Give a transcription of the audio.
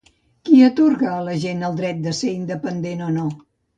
Qui atorga a la gent el dret de ser independent o no?